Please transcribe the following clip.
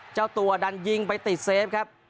เจ้าตัวดันยิงไปติดเซฟครับ